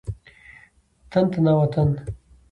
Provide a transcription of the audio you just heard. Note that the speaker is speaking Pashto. تن تنا وطن.